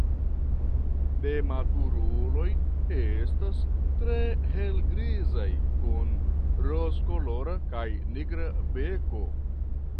Nematuruloj estas tre helgrizaj kun rozkolora kaj nigra beko.